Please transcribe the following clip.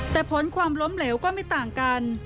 แต่ผลความล้มเหลวก็ไม่ต่างกัน